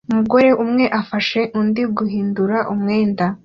Umugore umwe afasha undi guhindura imyenda